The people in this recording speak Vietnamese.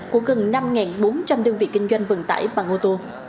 của gần năm bốn trăm linh đơn vị kinh doanh vận tải bằng ô tô